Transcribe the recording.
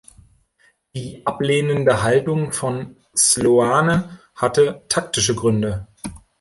Die ablehnende Haltung von Sloane hatte taktische Gründe.